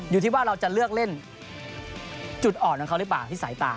อยู่ที่ว่าเราจะเลือกเล่นจุดอ่อนของเขาหรือเปล่าที่สายตา